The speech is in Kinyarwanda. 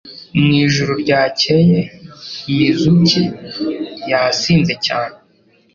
Mu ijoro ryakeye Mizuki yasinze cyane